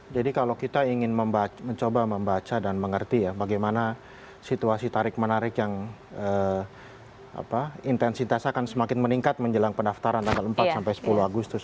jadi kalau kita ingin mencoba membaca dan mengerti ya bagaimana situasi tarik menarik yang intensitas akan semakin meningkat menjelang pendaftaran tanggal empat sampai sepuluh agustus